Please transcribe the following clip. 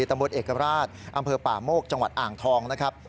ตำรวจเอกราชอำเภอป่าโมกจังหวัดอ่างทองนะครับ